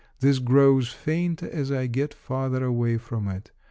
This grows fainter as I get farther away from it.